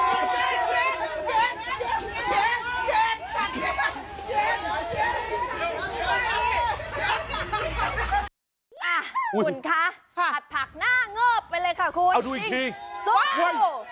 อ่ะคุณคะผัดผักหน้าเงิบไปเลยค่ะคุณสู้